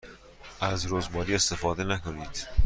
از رزماری استفاده نکنید.